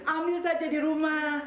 ambil saja di rumah